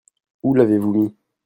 Où l'avez-vous mis ?